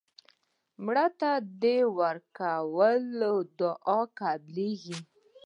مړه ته د ورکو دعا قبلیږي